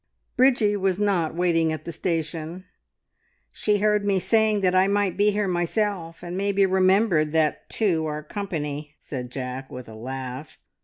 Bridgie was not waiting at the station. "She heard me saying that I might be here myself, and maybe remembered that two are company," said Jack, with a laugh.